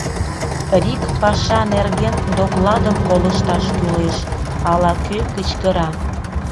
— Рик паша нерген докладым колышташ кӱлеш, — ала-кӧ кычкыра.